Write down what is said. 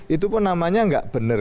itu pun namanya nggak benar